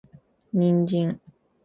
人参